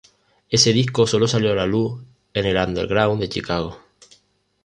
Ese disco solo salió a la luz en el underground de Chicago.